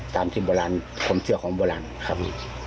ตามที่โบราณความเชื่อของโบราณครับ